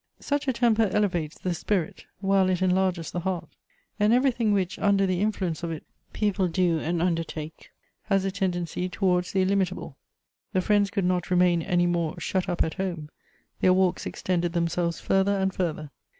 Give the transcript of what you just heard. Such a temper elevates the spirit, while it enlarges the heart, and everything which, under the influence of it, people do and undertake, has a tendency towards tlie illimitable. The friends could not remain any more shut up at home ; their walks extended themselves further and further.